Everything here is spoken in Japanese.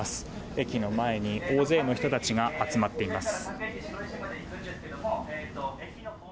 駅の前に大勢の人たちが集まっています。